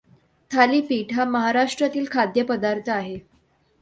थालीपीठ हा महाराष्ट्रातील खाद्यपदार्थ आहे.